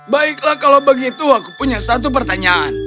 baiklah kalau begitu aku punya satu pertanyaan